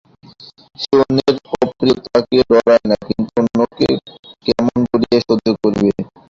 সে কোনো অপ্রিয়তাকে ডরায় না, কিন্তু অন্যায়কে কেমন করিয়া সহ্য করিবে!